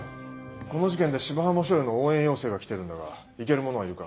この事件で芝浜署への応援要請が来てるんだが行ける者はいるか？